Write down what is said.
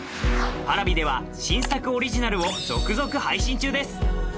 Ｐａｒａｖｉでは新作オリジナルを続々配信中です